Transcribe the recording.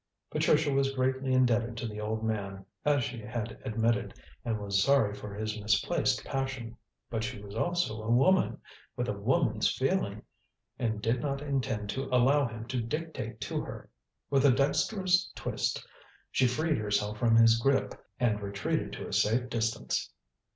Patricia was greatly indebted to the old man, as she had admitted, and was sorry for his misplaced passion. But she was also a woman, with a woman's feeling, and did not intend to allow him to dictate to her. With a dexterous twist, she freed herself from his grip and retreated to a safe distance.